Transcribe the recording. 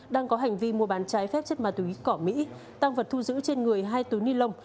đang có hành vi mua bán trái phép chất ma túy cỏ mỹ tăng vật thu giữ trên người hai túi ni lông